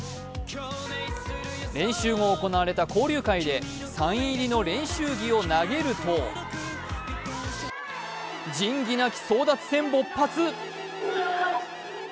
練習後行われた交流会で、サイン入りの練習着を投げると仁義なき争奪戦勃発。